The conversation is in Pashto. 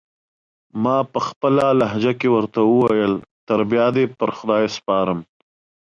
ما پخپله لهجه کې ورته وویل: تر بیا دې پر خدای سپارم.